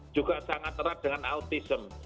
juga sangat erat dengan autism